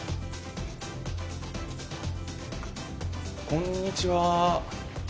こんにちは。